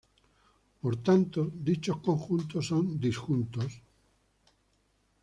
Por tanto, dichos conjuntos son disjuntos.